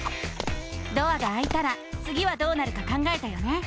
ドアがあいたらつぎはどうなるか考えたよね？